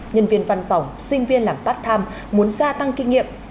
nhân viên văn phòng sinh viên làm bắt thăm muốn gia tăng kinh nghiệm